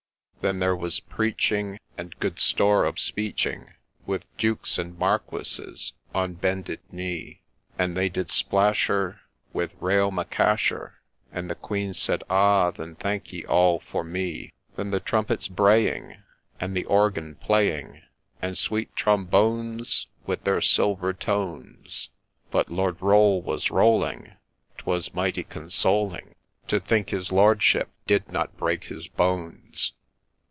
Then there was preaching, and good store of speeching With Dukes and Marquises on bended knee ; And they did splash her with raal Macasshur, And the Queen said, ' Ah ! then thank ye all for me !'— Then the trumpets braying, and the organ playing, And sweet trombones, with their silver tones ; But Lord Rolle was rolling ;— 'twas mighty consoling To think his Lordship did not break his bones